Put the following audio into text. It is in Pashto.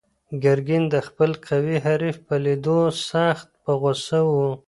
ګرګین د خپل قوي حریف په لیدو سخت په غوسه و.